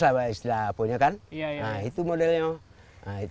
itu adalah modelnya